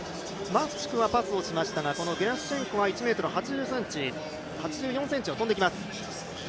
マフチクはパスをしましたがゲラシュチェンコは１ｍ８４ｃｍを跳んできます。